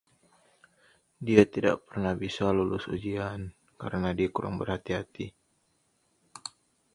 Dia tidak pernah bisa lulus ujian, karena dia kurang berhati-hati.